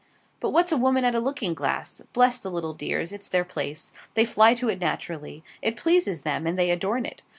But what's a woman at a looking glass? Bless the little dears, it's their place. They fly to it naturally. It pleases them, and they adorn it.